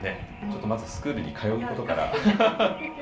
まず、スクールに通うことから。